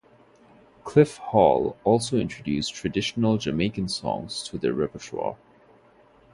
Cliff Hall also introduced traditional Jamaican songs to their repertoire.